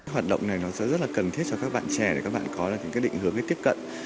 hoạt động này nó sẽ rất là cần thiết cho các bạn trẻ để các bạn có những định hướng tiếp cận